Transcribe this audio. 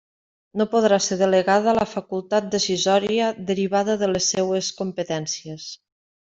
No podrà ser delegada la facultat decisòria derivada de les seues competències.